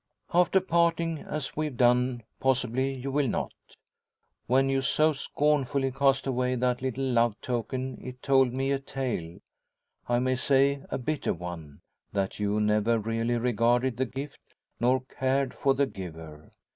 After parting as we've done, possibly you will not. When you so scornfully cast away that little love token it told me a tale I may say a bitter one that you never really regarded the gift, nor cared for the giver.